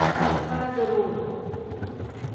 Faadi-duu.